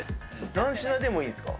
何品でもいいんですか。